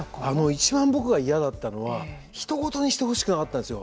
いちばん僕が嫌だったのは人ごとにしてほしくなかったんですよ。